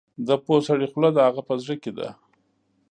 د پوه سړي خوله د هغه په زړه کې ده.